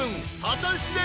［果たして］